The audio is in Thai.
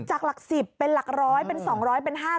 จากหลัก๑๐เป็นหลักร้อยเป็น๒๐๐เป็น๕๐๐